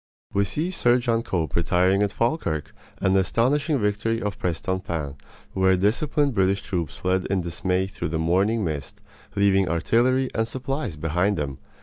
We see Sir John Cope retiring at Falkirk, and the astonishing victory of Prestonpans, where disciplined British troops fled in dismay through the morning mist, leaving artillery and supplies behind them.